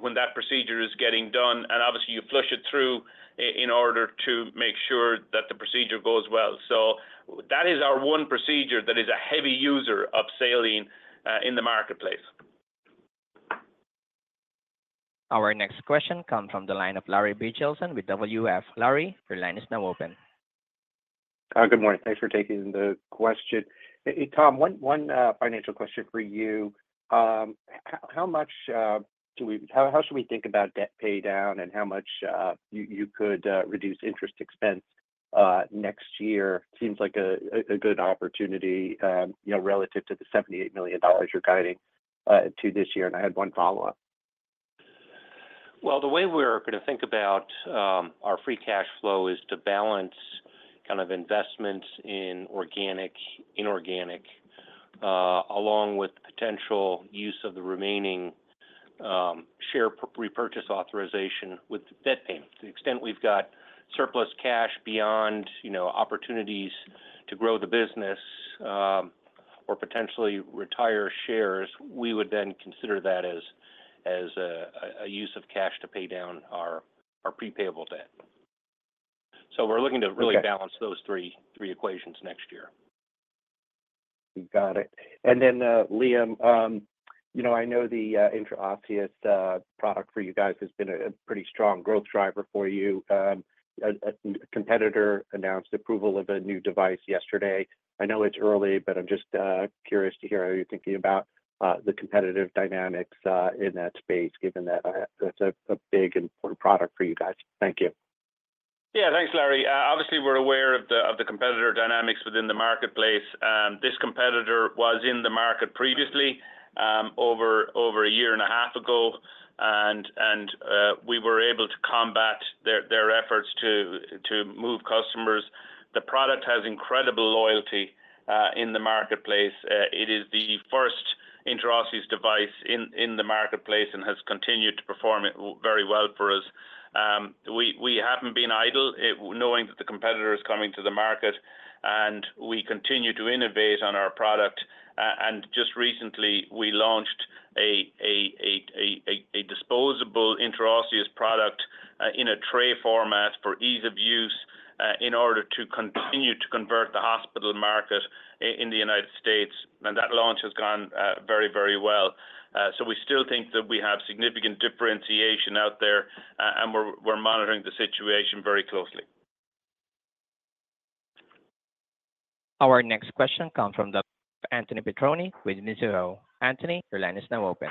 when that procedure is getting done. And obviously, you flush it through in order to make sure that the procedure goes well. So that is our one procedure that is a heavy user of saline in the marketplace. Our next question comes from the line of Larry Biegelsen with Wells Fargo. Larry, your line is now open. Good morning. Thanks for taking the question. Tom, one financial question for you. How much should we, how should we think about debt paydown and how much you could reduce interest expense next year? Seems like a good opportunity relative to the $78 million you're guiding to this year. And I had one follow-up. Well, the way we're going to think about our free cash flow is to balance kind of investments in organic, inorganic, along with potential use of the remaining share repurchase authorization with debt payment. To the extent we've got surplus cash beyond opportunities to grow the business or potentially retire shares, we would then consider that as a use of cash to pay down our prepayable debt. So we're looking to really balance those three equations next year. Got it. And then, Liam, I know the intraosseous product for you guys has been a pretty strong growth driver for you. A competitor announced approval of a new device yesterday. I know it's early, but I'm just curious to hear how you're thinking about the competitive dynamics in that space, given that that's a big and important product for you guys. Thank you. Yeah. Thanks, Larry. Obviously, we're aware of the competitor dynamics within the marketplace. This competitor was in the market previously over a year and a half ago, and we were able to combat their efforts to move customers. The product has incredible loyalty in the marketplace. It is the first intraosseous device in the marketplace and has continued to perform very well for us. We haven't been idle knowing that the competitor is coming to the market, and we continue to innovate on our product. And just recently, we launched a disposable intraosseous product in a tray format for ease of use in order to continue to convert the hospital market in the United States. That launch has gone very, very well. So we still think that we have significant differentiation out there, and we're monitoring the situation very closely. Our next question comes from Anthony Petroni with Mizuho. Anthony, your line is now open.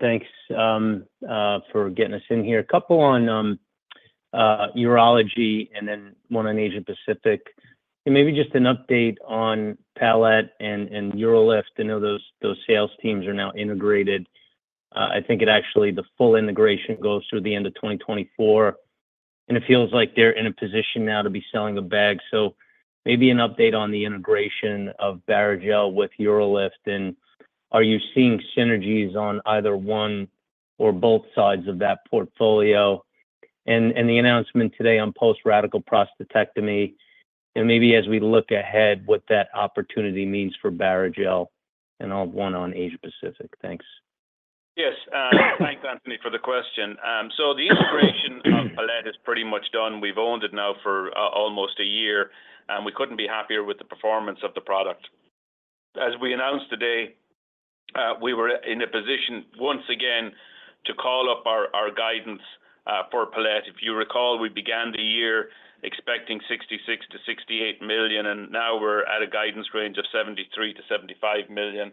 Thanks for getting us in here. A couple on urology and then one on Asia-Pacific. Maybe just an update on Palette and UroLift. I know those sales teams are now integrated. I think actually the full integration goes through the end of 2024, and it feels like they're in a position now to be selling a bag. Maybe an update on the integration of Barrigel with UroLift, and are you seeing synergies on either one or both sides of that portfolio? The announcement today on post-radical prostatectomy, and maybe as we look ahead what that opportunity means for Barrigel, and I'll have one on Asia-Pacific. Thanks. Yes. Thanks, Anthony, for the question. The integration of Palette is pretty much done. We've owned it now for almost a year, and we couldn't be happier with the performance of the product. As we announced today, we were in a position once again to call up our guidance for Palette. If you recall, we began the year expecting $66 million-$68 million, and now we're at a guidance range of $73 million-$75 million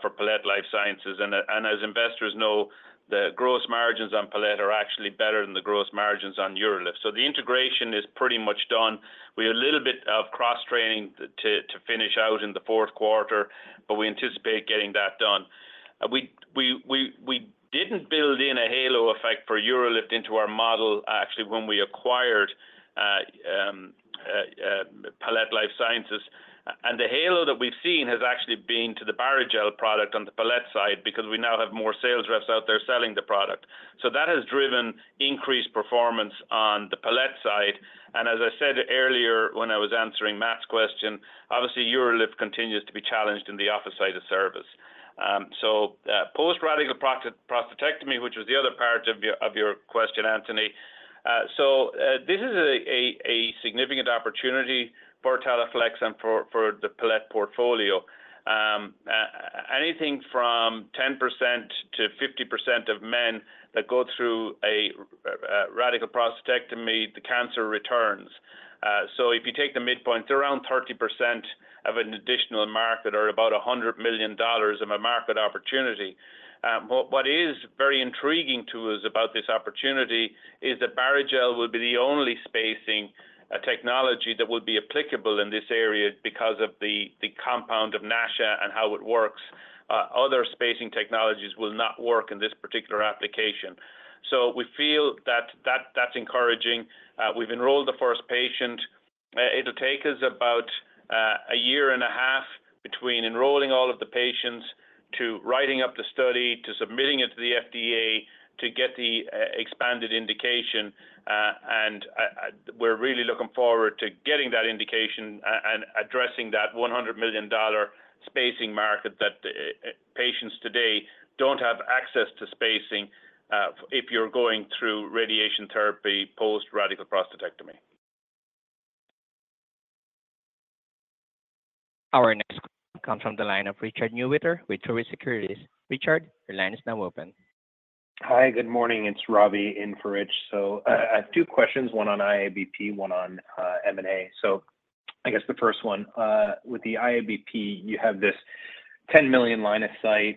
for Palette Life Sciences. And as investors know, the gross margins on Palette are actually better than the gross margins on UroLift. The integration is pretty much done. We have a little bit of cross-training to finish out in the fourth quarter, but we anticipate getting that done. We didn't build in a halo effect for UroLift into our model actually when we acquired Palette Life Sciences. And the halo that we've seen has actually been to the Barrigel product on the Palette side because we now have more sales reps out there selling the product. So that has driven increased performance on the Palette side. And as I said earlier when I was answering Matt's question, obviously, UroLift continues to be challenged in the office side of service. So post-radical prostatectomy, which was the other part of your question, Anthony. So this is a significant opportunity for Teleflex and for the Palette portfolio. Anything from 10%-50% of men that go through a radical prostatectomy, the cancer returns. So if you take the midpoint, it's around 30% of an additional market or about $100 million of a market opportunity. What is very intriguing to us about this opportunity is that Barrigel will be the only spacing technology that will be applicable in this area because of the compound of NASHA and how it works. Other spacing technologies will not work in this particular application. So we feel that that's encouraging. We've enrolled the first patient. It'll take us about a year and a half between enrolling all of the patients to writing up the study, to submitting it to the FDA, to get the expanded indication, and we're really looking forward to getting that indication and addressing that $100 million spacing market that patients today don't have access to spacing if you're going through radiation therapy post-radical prostatectomy. Our next question comes from the line of Richard Newitter with Truist Securities. Richard, your line is now open. Hi. Good morning. It's Ravi Misra. So I have two questions, one on IABP, one on M&A. So I guess the first one, with the IABP, you have this $10 million line of sight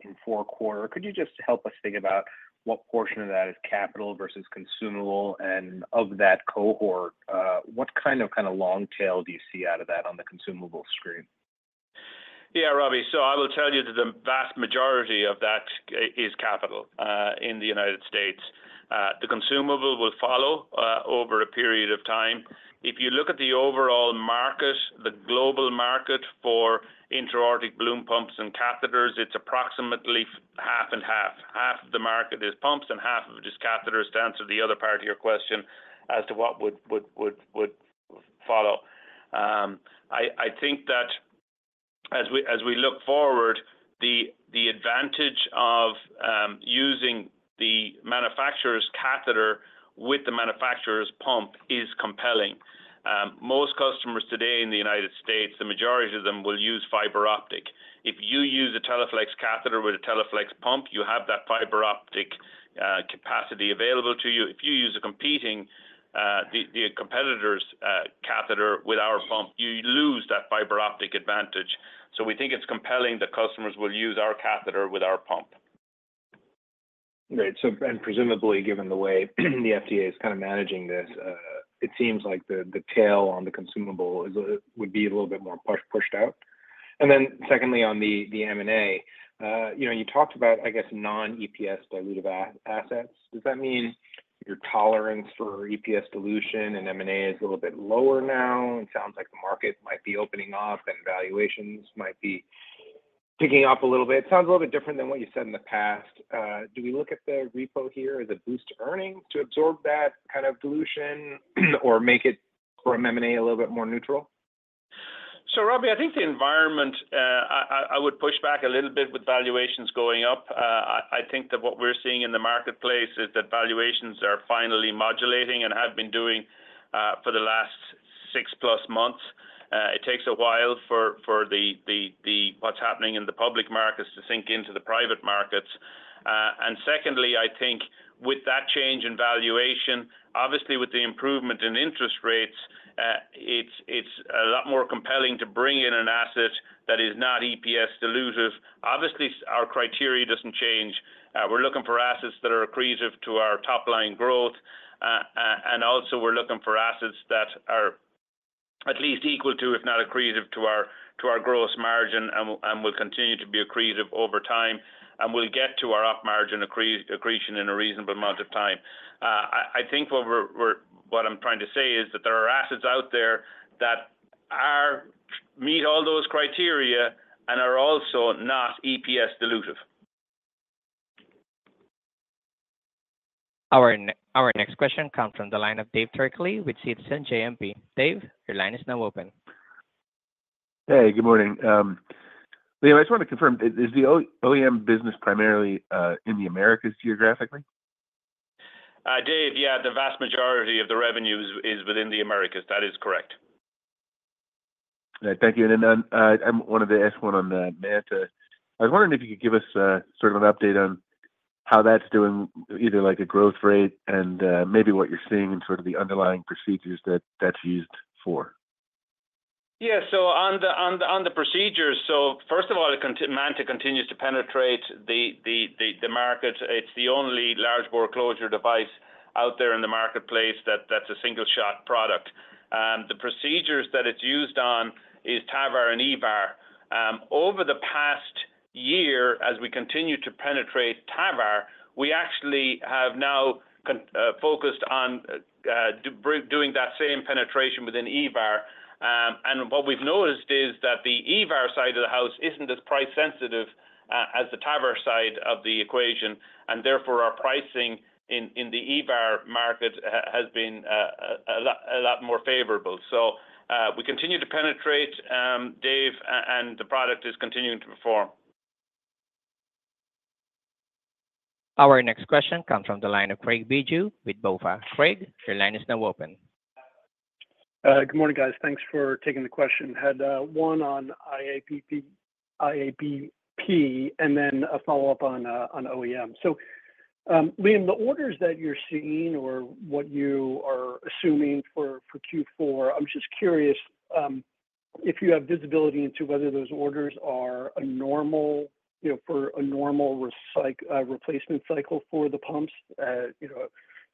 in fourth quarter. Could you just help us think about what portion of that is capital versus consumable? And of that cohort, what kind of long tail do you see out of that on the consumables stream? Yeah, Ravi. So I will tell you that the vast majority of that is capital in the United States. The consumable will follow over a period of time. If you look at the overall market, the global market for intra-aortic balloon pumps and catheters, it's approximately half and half. Half of the market is pumps, and half of it is catheters. To answer the other part of your question as to what would follow, I think that as we look forward, the advantage of using the manufacturer's catheter with the manufacturer's pump is compelling. Most customers today in the United States, the majority of them will use fiber optic. If you use a Teleflex catheter with a Teleflex pump, you have that fiber optic capacity available to you. If you use the competitor's catheter with our pump, you lose that fiber optic advantage. So we think it's compelling that customers will use our catheter with our pump. Right. And presumably, given the way the FDA is kind of managing this, it seems like the tail on the consumable would be a little bit more pushed out. And then secondly, on the M&A, you talked about, I guess, non-EPS dilutive assets. Does that mean your tolerance for EPS dilution and M&A is a little bit lower now? It sounds like the market might be opening up, and valuations might be picking up a little bit. It sounds a little bit different than what you said in the past. Do we look at the repo here as a boost to earnings to absorb that kind of dilution or make it, from M&A, a little bit more neutral? So, Ravi, I think the environment. I would push back a little bit with valuations going up. I think that what we're seeing in the marketplace is that valuations are finally moderating and have been doing so for the last six-plus months. It takes a while for what's happening in the public markets to sink into the private markets. And secondly, I think with that change in valuation, obviously, with the improvement in interest rates, it's a lot more compelling to bring in an asset that is not EPS dilutive. Obviously, our criteria doesn't change. We're looking for assets that are accretive to our top-line growth. And also, we're looking for assets that are at least equal to, if not accretive to our gross margin and will continue to be accretive over time. And we'll get to our op-margin accretion in a reasonable amount of time. I think what I'm trying to say is that there are assets out there that meet all those criteria and are also not EPS dilutive. Our next question comes from the line of David Turkaly with Citizens JMP. Dave, your line is now open. Hey, good morning. Liam, I just want to confirm, is the OEM business primarily in the Americas geographically? Dave, yeah, the vast majority of the revenue is within the Americas. That is correct. Thank you. And then I wanted to ask one on the Manta. I was wondering if you could give us sort of an update on how that's doing, either like a growth rate and maybe what you're seeing in sort of the underlying procedures that's used for. Yeah. So on the procedures, so first of all, Manta continues to penetrate the market. It's the only large bore closure device out there in the marketplace that's a single-shot product. The procedures that it's used on are TAVR and EVAR. Over the past year, as we continue to penetrate TAVR, we actually have now focused on doing that same penetration within EVAR. And what we've noticed is that the EVAR side of the house isn't as price-sensitive as the TAVR side of the equation. And therefore, our pricing in the EVAR market has been a lot more favorable. So we continue to penetrate, Dave, and the product is continuing to perform. Our next question comes from the line of Craig Bijou with BofA. Craig, your line is now open. Good morning, guys. Thanks for taking the question. Had one on IABP and then a follow-up on OEM. So, Liam, the orders that you're seeing or what you are assuming for Q4, I'm just curious if you have visibility into whether those orders are a normal for a normal replacement cycle for the pumps.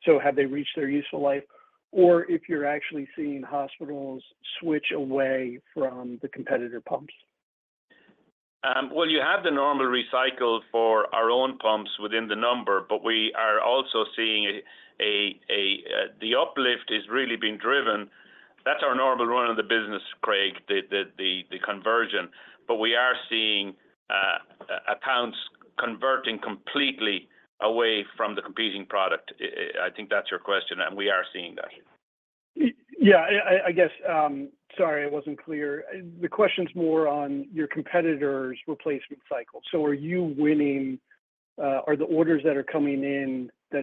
So have they reached their useful life? Or if you're actually seeing hospitals switch away from the competitor pumps. Well, you have the normal recycle for our own pumps within the number, but we are also seeing the uplift is really being driven. That's our normal run of the business, Craig, the conversion. But we are seeing accounts converting completely away from the competing product. I think that's your question, and we are seeing that. Yeah. I guess, sorry, I wasn't clear. The question's more on your competitor's replacement cycle. So are you winning? Are the orders that are coming in, the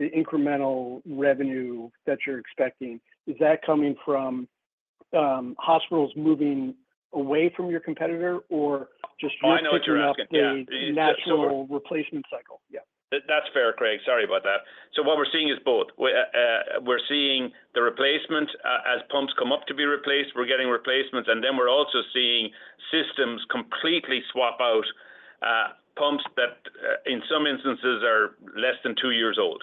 incremental revenue that you're expecting, is that coming from hospitals moving away from your competitor or just you picking up a natural replacement cycle? Yeah. That's fair, Craig. Sorry about that. So what we're seeing is both. We're seeing the replacement as pumps come up to be replaced. We're getting replacements. And then we're also seeing systems completely swap out pumps that, in some instances, are less than two years old.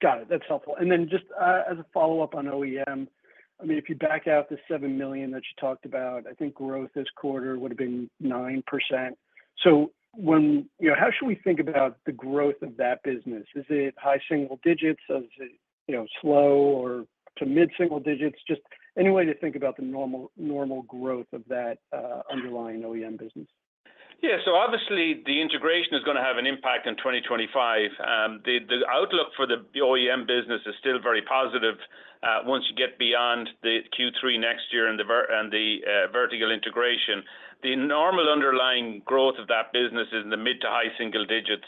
Got it. That's helpful. And then just as a follow-up on OEM, I mean, if you back out the $7 million that you talked about, I think growth this quarter would have been 9%. So how should we think about the growth of that business? Is it high single digits? Is it slow or to mid-single digits? Just any way to think about the normal growth of that underlying OEM business? Yeah. So obviously, the integration is going to have an impact in 2025. The outlook for the OEM business is still very positive once you get beyond Q3 next year and the vertical integration. The normal underlying growth of that business is in the mid to high single digits.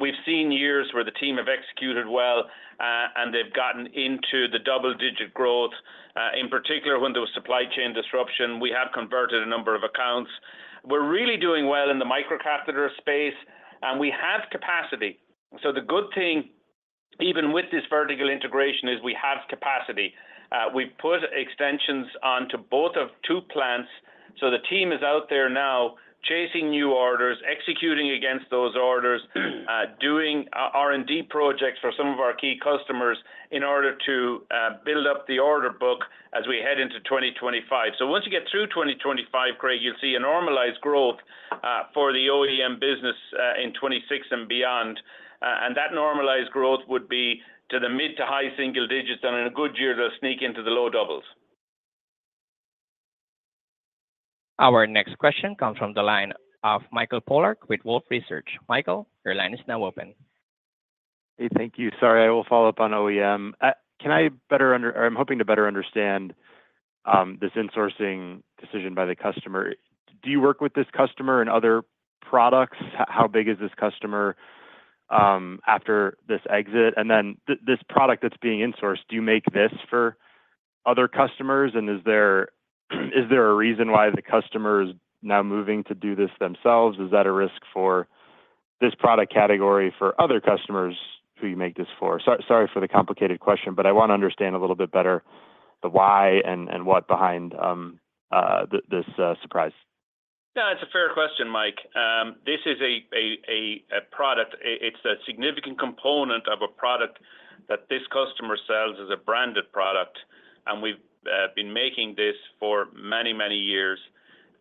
We've seen years where the team have executed well, and they've gotten into the double-digit growth, in particular when there was supply chain disruption. We have converted a number of accounts. We're really doing well in the microcatheter space, and we have capacity. So the good thing, even with this vertical integration, is we have capacity. We put extensions onto both of two plants. So the team is out there now chasing new orders, executing against those orders, doing R&D projects for some of our key customers in order to build up the order book as we head into 2025. So once you get through 2025, Craig, you'll see a normalized growth for the OEM business in 2026 and beyond. And that normalized growth would be to the mid- to high-single digits, and in a good year, they'll sneak into the low double digits. Our next question comes from the line of Mike Polark with Wolfe Research. Mike, your line is now open. Hey, thank you. Sorry, I will follow up on OEM. Can I better understand, or I'm hoping to better understand this insourcing decision by the customer? Do you work with this customer and other products? How big is this customer after this exit? And then this product that's being insourced, do you make this for other customers? And is there a reason why the customer is now moving to do this themselves? Is that a risk for this product category for other customers who you make this for? Sorry for the complicated question, but I want to understand a little bit better the why and what behind this surprise. Yeah, that's a fair question, Mike. This is a product. It's a significant component of a product that this customer sells as a branded product. And we've been making this for many, many years.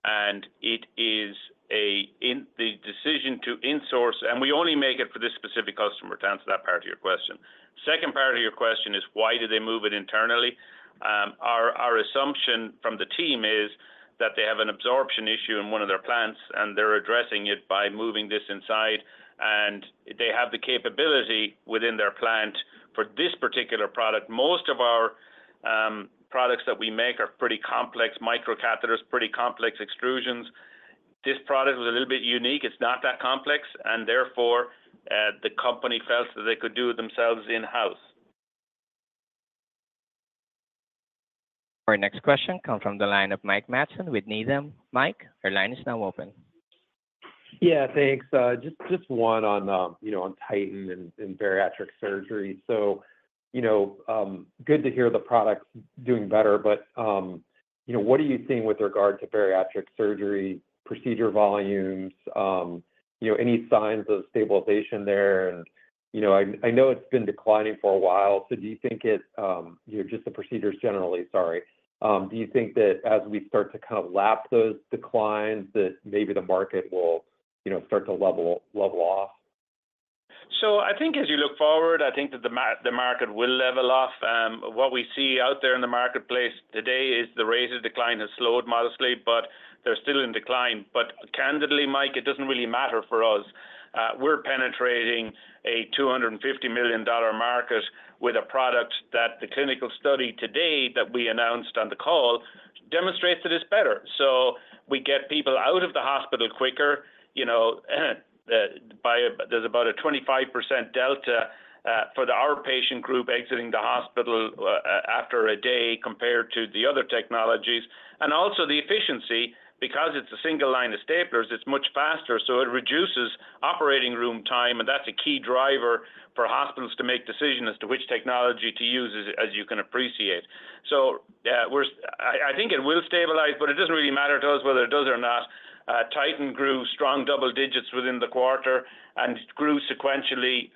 And it is the decision to insource, and we only make it for this specific customer, to answer that part of your question. The second part of your question is, why did they move it internally? Our assumption from the team is that they have an absorption issue in one of their plants, and they're addressing it by moving this inside. And they have the capability within their plant for this particular product. Most of our products that we make are pretty complex microcatheters, pretty complex extrusions. This product was a little bit unique. It's not that complex. And therefore, the company felt that they could do it themselves in-house. Our next question comes from the line of Mike Matson with Needham. Mike, your line is now open. Yeah, thanks. Just one on Titan and bariatric surgery. So good to hear the product doing better, but what are you seeing with regard to bariatric surgery, procedure volumes, any signs of stabilization there? And I know it's been declining for a while, so do you think it just the procedures generally, sorry. Do you think that as we start to kind of lap those declines, that maybe the market will start to level off? So I think as you look forward, I think that the market will level off. What we see out there in the marketplace today is the rate of decline has slowed modestly, but they're still in decline. But candidly, Mike, it doesn't really matter for us. We're penetrating a $250 million market with a product that the clinical study today that we announced on the call demonstrates that it's better. So we get people out of the hospital quicker. There's about a 25% delta for our patient group exiting the hospital after a day compared to the other technologies, and also the efficiency, because it's a single line of staplers, it's much faster, so it reduces operating room time, and that's a key driver for hospitals to make decisions as to which technology to use, as you can appreciate, so I think it will stabilize, but it doesn't really matter to us whether it does or not. Titan grew strong double digits within the quarter and grew sequentially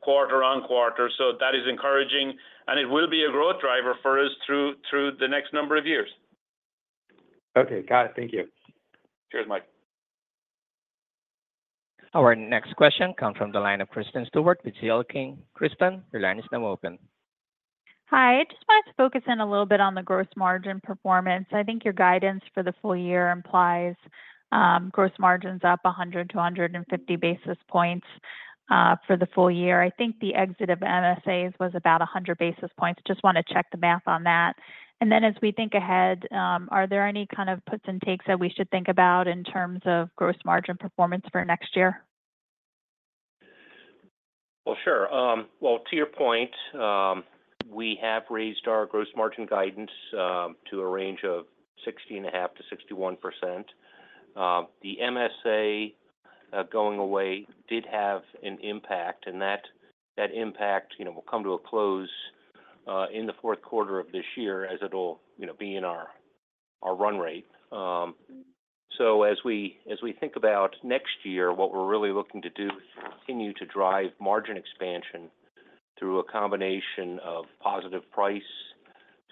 quarter on quarter. So that is encouraging, and it will be a growth driver for us through the next number of years. Okay. Got it. Thank you. Cheers, Mike. Our next question comes from the line of Kristen Stewart with CL King. Kristen, your line is now open. Hi. I just wanted to focus in a little bit on the gross margin performance. I think your guidance for the full year implies gross margins up 100-150 basis points for the full year. I think the exit of MSAs was about 100 basis points. Just want to check the math on that, and then as we think ahead, are there any kind of puts and takes that we should think about in terms of gross margin performance for next year? Sure. To your point, we have raised our gross margin guidance to a range of 60.5%-61%. The MSA going away did have an impact, and that impact will come to a close in the fourth quarter of this year as it'll be in our run rate. So as we think about next year, what we're really looking to do is continue to drive margin expansion through a combination of positive price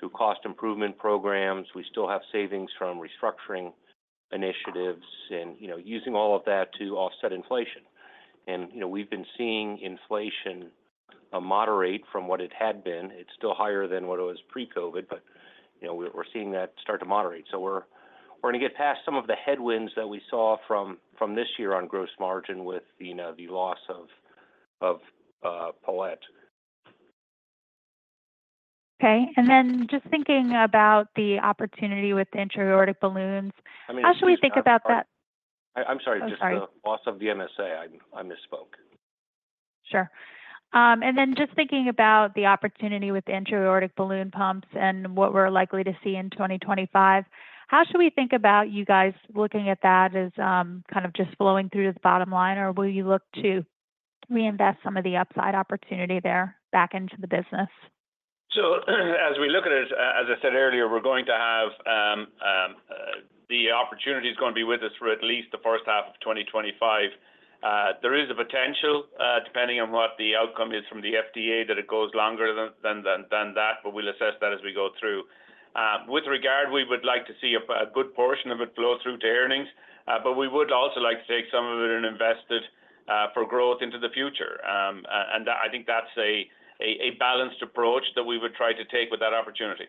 to cost improvement programs. We still have savings from restructuring initiatives and using all of that to offset inflation. And we've been seeing inflation moderate from what it had been. It's still higher than what it was pre-COVID, but we're seeing that start to moderate. So we're going to get past some of the headwinds that we saw from this year on gross margin with the loss of Palette. Okay. And then just thinking about the opportunity with the intra-aortic balloons. How should we think about that? I'm sorry, just the loss of the MSA. I misspoke. Sure. Just thinking about the opportunity with the intra-aortic balloon pumps and what we're likely to see in 2025, how should we think about you guys looking at that as kind of just flowing through this bottom line, or will you look to reinvest some of the upside opportunity there back into the business? As we look at it, as I said earlier, we're going to have the opportunity is going to be with us for at least the first half of 2025. There is a potential, depending on what the outcome is from the FDA, that it goes longer than that, but we'll assess that as we go through. With regard, we would like to see a good portion of it flow through to earnings, but we would also like to take some of it and invest it for growth into the future. And I think that's a balanced approach that we would try to take with that opportunity.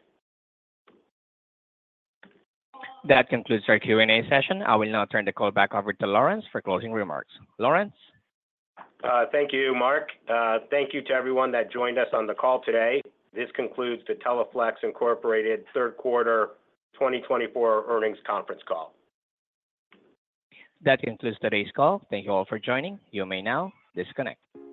That concludes our Q&A session. I will now turn the call back over to Lawrence for closing remarks. Lawrence. Thank you, Mark. Thank you to everyone that joined us on the call today. This concludes the Teleflex Incorporated third quarter 2024 earnings conference call. That concludes today's call. Thank you all for joining. You may now disconnect.